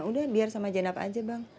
udah biar sama jenap aja bang